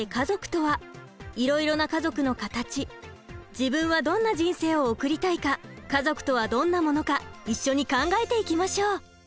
自分はどんな人生を送りたいか家族とはどんなものか一緒に考えていきましょう。